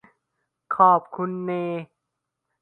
ขอบคุณเน